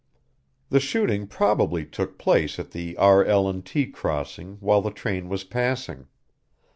"The shooting probably took place at the R.L.&T. crossing while the train was passing.